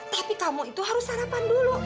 tapi kamu itu harus sarapan dulu